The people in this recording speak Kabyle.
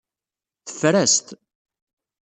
Teffer-as-t.